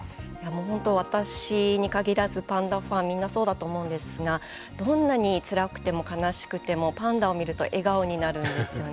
本当、私に限らずパンダファンみんなそうだと思うんですがどんなにつらくても悲しくてもパンダを見ると笑顔になるんですよね。